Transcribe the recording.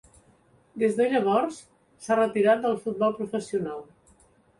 Des de llavors s'ha retirat del futbol professional.